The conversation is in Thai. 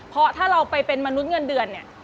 เพราะถ้าเราไปเป็นมนุษย์เงินเดือนเนี่ย